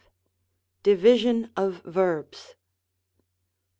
845, Division of Verbs.